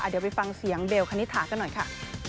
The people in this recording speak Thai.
เดี๋ยวไปฟังเสียงเบลคณิตถากันหน่อยค่ะ